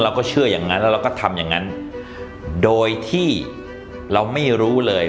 เราก็เชื่ออย่างนั้นแล้วเราก็ทำอย่างนั้นโดยที่เราไม่รู้เลย